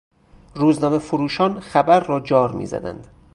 روزنامهفروشان خبر را جار میزدند.